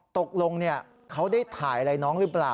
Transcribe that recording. ตกลงเขาได้ถ่ายอะไรน้องหรือเปล่า